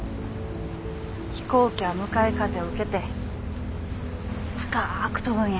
飛行機は向かい風を受けて高く飛ぶんや。